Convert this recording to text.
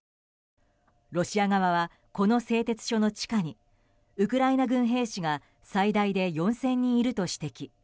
ロシア側はこの製鉄所の地下にウクライナ軍兵士が最大で４０００人いると指摘。